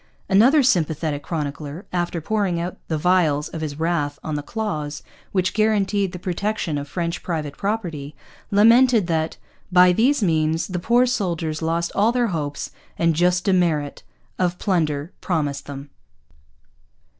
Another sympathetic chronicler, after pouring out the vials of his wrath on the clause which guaranteed the protection of French private property, lamented that 'by these means the poor souldiers lost all their hopes and just demerit of plunder promised them.'